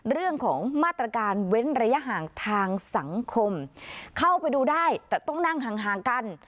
เรื่องของมาตรการเว้นระยะห่างทางสังคมเข้าไปดูได้แต่ต้องนั่งห่างห่างกัน